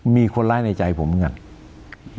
มีคนร้ายในใจผมเหมือนกัน